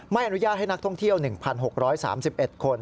ไม่อนุญาตให้นักท่องเที่ยว๑๖๓๑คน